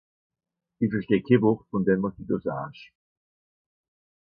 Ìch versteh kenn Wort vùn dem, wàs dü do saasch.